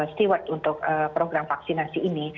steward untuk program vaksinasi ini